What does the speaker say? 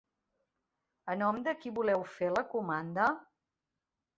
A nom de qui voleu fer la comanda?